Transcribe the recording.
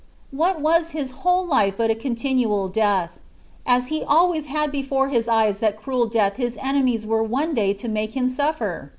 What was His whole life but a continual death, as He always had before His eyes that cruel death His enemies were one day to make Him suffer?